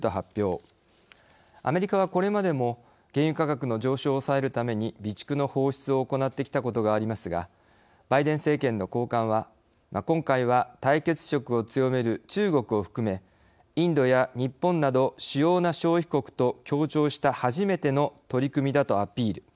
アメリカはこれまでも原油価格の上昇を抑えるために備蓄の放出を行ってきたことがありますがバイデン政権の高官は今回は対決色を強める中国を含めインドや日本など主要な消費国と協調した初めての取り組みだとアピール。